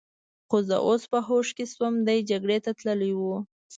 خو زه اوس په هوښ کې شوم، دی جګړې ته تلی و.